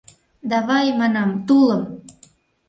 Давай, манам, тулым!